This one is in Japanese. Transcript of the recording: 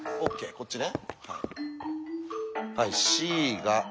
こっちね。